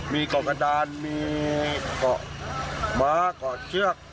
มีเกาะกระดานมีเกาะม้าเกาะเชือก